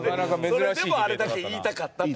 それでもあれだけ言いたかった。